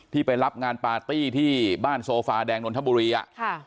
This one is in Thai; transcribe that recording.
ที่ไปรับงานพาตี้ที่บ้านโซฟาแดงน้นทะบุรีอ่ะ